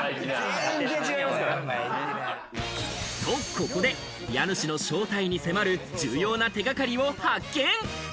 ここで家主の正体に迫る重要な手掛かりを発見。